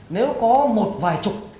nếu có một vài chục